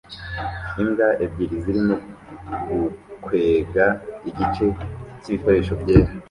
Imbwa ebyiri zirimo gukwega igice cyibikoresho byera